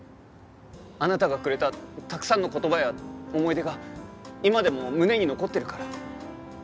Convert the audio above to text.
あなたがくれたたくさんの言葉や思い出が今でも胸に残ってるから。